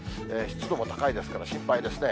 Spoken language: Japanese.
湿度も高いですから、心配ですね。